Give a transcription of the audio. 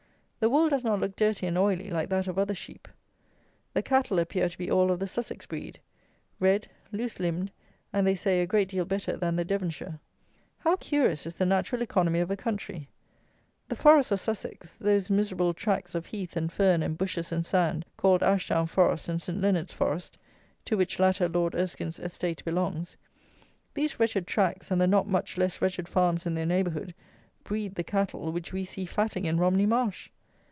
The wool does not look dirty and oily like that of other sheep. The cattle appear to be all of the Sussex breed. Red, loosed limbed, and, they say, a great deal better than the Devonshire. How curious is the natural economy of a country! The forests of Sussex; those miserable tracts of heath and fern and bushes and sand, called Ashdown Forest and Saint Leonard's Forest, to which latter Lord Erskine's estate belongs; these wretched tracts and the not much less wretched farms in their neighbourhood, breed the cattle, which we see fatting in Romney Marsh!